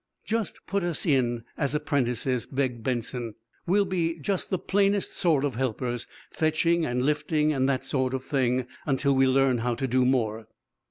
"Just put us in as apprentices," begged Benson. "We'll be just the plainest sort of helpers, fetching and lifting, and that sort of thing, until we learn how to do more."